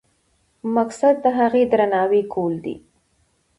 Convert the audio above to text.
مقصد د هغې درناوی کول دي.